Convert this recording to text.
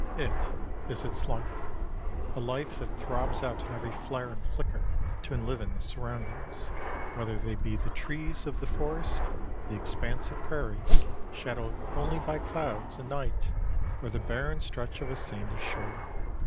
It is its life a life that throbs out in every flare and flicker to enliven the surroundings, whether they be the trees of the forest, the expanse of prairie, shadowed only by clouds and night, or the barren stretch of sandy shore.